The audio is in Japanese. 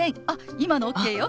今のＯＫよ！